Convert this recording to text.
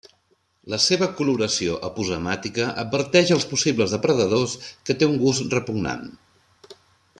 La seua coloració aposemàtica adverteix als possibles depredadors que té un gust repugnant.